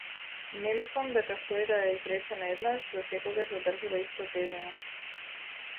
Не мислам дека што и да е изречено еднаш за секогаш задржува иста тежина.